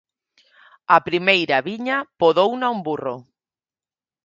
_A primeira viña podouna un burro.